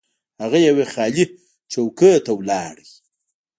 هغه یوې خالي چوکۍ ته لاړ.